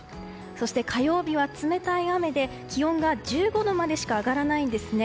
そして火曜日は冷たい雨で気温が１５度までしか上がらないんですね。